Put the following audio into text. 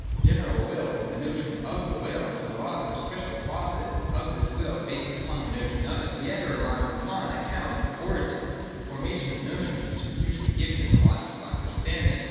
The general will is the notion of the will : and the laws are the special clauses of this will and based upon the notion of it. (2) We add a remark upon the account of the origin and formation of notions which is usually given in the Logic of Understanding.